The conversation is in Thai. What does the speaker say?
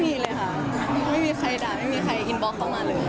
ไม่มีเลยค่ะไม่มีใครด่าไม่มีใครอินบล็อกเข้ามาเลย